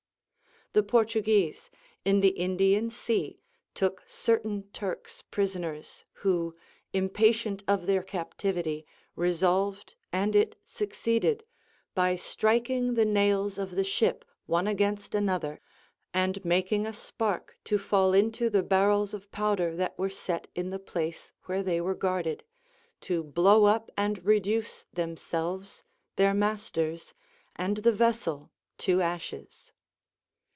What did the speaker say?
The Portuguese, in the Indian Sea, took certain Turks prisoners, who, impatient of their captivity, resolved, and it succeeded, by striking the nails of the ship one against another, and making a spark to fall into the barrels of powder that were set in the place where they were guarded, to blow up and reduce themselves, their masters, and the vessel to ashes.